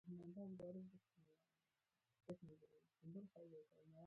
افغانستان د اتلانو هیواد دی